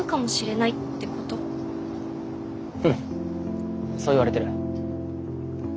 うんそう言われてる。